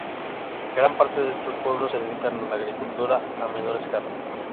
Gran parte de estos pueblos se dedican a la agricultura a menor escala.